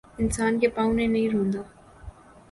انسان کےپاؤں نے نہیں روندا